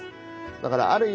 だからある意味